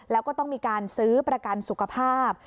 แล้วก็ต้องมีการซื้อประกันสุขภาพ